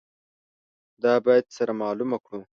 دا باید سره معلومه کړو.